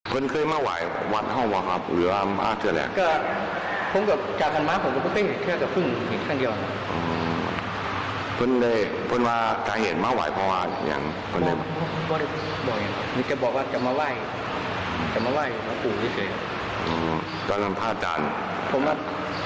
พอมาเปิดทางฟังศาสตร์บนแล้วเขาก็ออกไปเลยนะครับ